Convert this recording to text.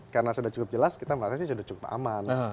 karena sudah cukup jelas kita merasa sudah cukup aman